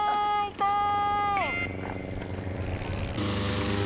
痛い！